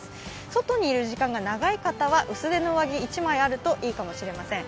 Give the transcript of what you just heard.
外にいる時間が長い方は、薄手の上着一枚あるといいかもしれません。